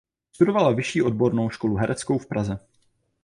Studovala Vyšší odbornou školu hereckou v Praze.